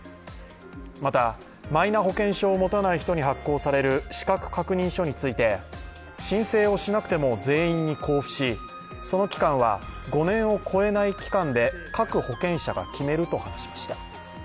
また、マイナ保険証を持たない人に発行される資格確認書について申請をしなくても全員に交付しその期間は５年を超えない期間で各保険者が決めると述べました。